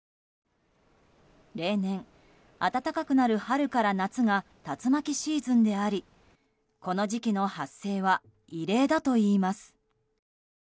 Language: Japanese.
例年、暖かくなる春から夏が竜巻シーズンでありこの時期の発生は異例だといいます。